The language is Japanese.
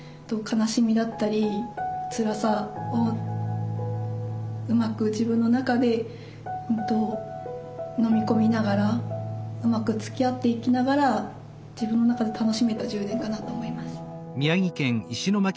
悲しみだったりつらさをうまく自分の中で本当のみ込みながらうまくつきあっていきながら自分の中で楽しめた１０年かなと思います。